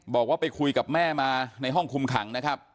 บอกว่าไปคุยกับแม่มาในห้องคุมขังนะครับ